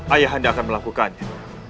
ayahanda akan melakukannya